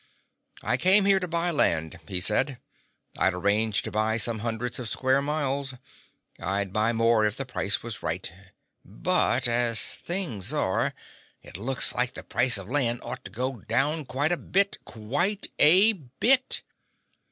"I came here to buy land," he said. "I'd arranged to buy some hundreds of square miles. I'd buy more if the price were right. But—as things are, it looks like the price of land ought to go down quite a bit. Quite a bit!"